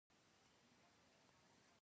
دوی د ښکلې مينې د ليدو انتظار کاوه